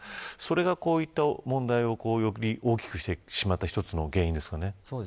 それがこういった問題を大きくしてしまった一つの原因ですかね。